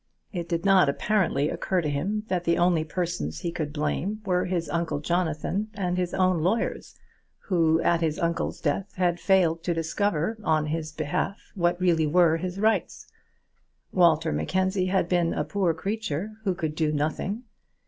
It did not, apparently, occur to him that the only persons he could blame were his uncle Jonathan and his own lawyers, who, at his uncle's death, had failed to discover on his behalf what really were his rights. Walter Mackenzie had been a poor creature who could do nothing.